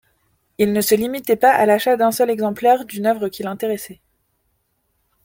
Il ne se limitait pas à l'achat d'un seul exemplaire d'une œuvre qui l'intéressait.